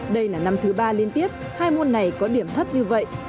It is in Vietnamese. đây là năm thứ ba liên tiếp hai môn này có điểm thấp như vậy